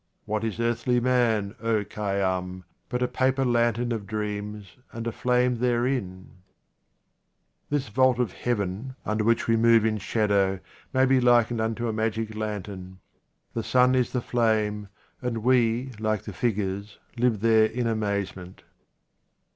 What is earthly man, O Khay yam, but a paper lantern of dreams and a flame therein ? This vault of heaven, under which we move in shadow, may be likened unto a magic* lantern ; the sun is the flame, and we, like the figures, live there in amazement.